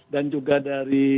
dan juga dari